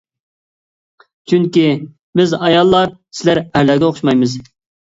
چۈنكى بىز ئاياللار سىلەر ئەرلەرگە ئوخشىمايمىز.